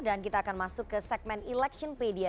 dan kita akan masuk ke segmen electionpedia